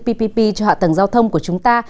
ppp cho hạ tầng giao thông của chúng ta